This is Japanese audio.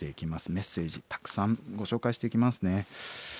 メッセージたくさんご紹介していきますね。